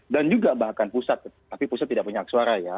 dan juga bahkan pusat tapi pusat tidak punya hak suara ya